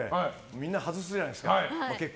みんな外すじゃないですか。